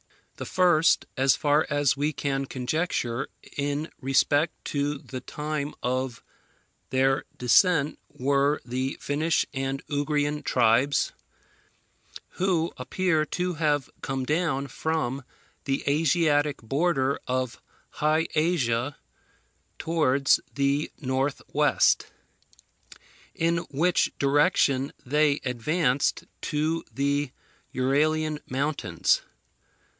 The first, as far as we can conjecture, in respect to the time of their descent were the Finnish and Ugrian tribes, who appear to have come down from the Asiatic border of High Asia towards the north west, in which direction they advanced to the Uralian mountains.